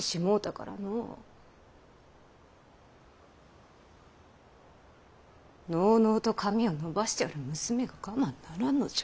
のうのうと髪を伸ばしておる娘が我慢ならんのじゃ。